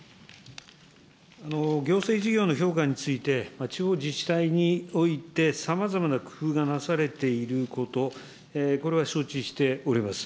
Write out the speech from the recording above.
行政事業の評価について、地方自治体においてさまざまな工夫がなされていること、これは承知しております。